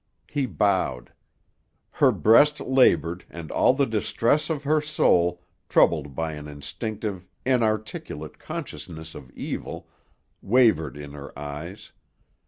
He bowed. Her breast labored and all the distress of her soul, troubled by an instinctive, inarticulate consciousness of evil, wavered in her eyes.